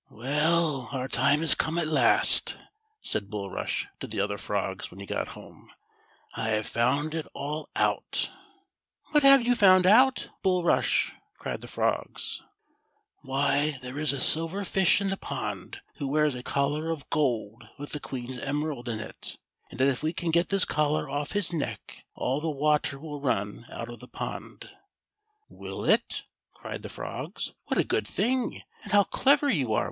"Well, our time is come at last," said Bulrush to the other frogs when he got home ;" I have found it all out," "What have you found out. Bulrush.'" cried the frogs. "Why, that there is a Silver Fish in the pond, who wears a collar of gold with the Queen's emerald in it, and that if we can get this collar off his neck, all the water will run out of the pond." "Will it.^" cried the frogs. "What a good thing; and how clever you are.